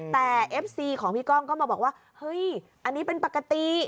แต่เอฟซีของพี่ก้องก็มาบอกว่าเฮ้ยอันนี้เป็นปกติ